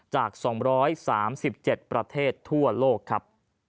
จาก๒๓๗ประเทศทั่วโลกครับ